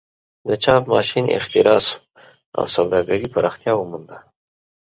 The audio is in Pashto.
د چاپ ماشین اختراع شو او سوداګري پراختیا ومونده.